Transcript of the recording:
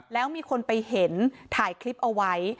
แล้วมีคนไปเห็นถ่ายคลิปเอาไว้